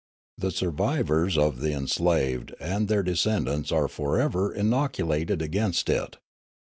The survivors of the enslaved and their de scendants are for ever inoculated against it.